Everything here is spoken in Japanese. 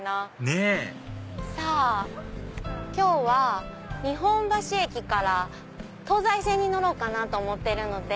ねぇさぁ今日は日本橋駅から東西線に乗ろうと思ってるので。